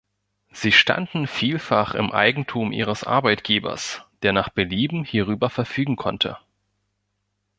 Sie standen vielfach im Eigentum ihres Arbeitgebers, der nach Belieben hierüber verfügen konnte.